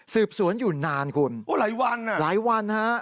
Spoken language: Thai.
สืบสวนอยู่นานคุณหลายวันนะครับหลายวันนะครับ